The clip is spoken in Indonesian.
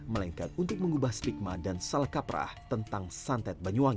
melainkan untuk mengubah stigma dan salkaprah tentang santet banyuwangi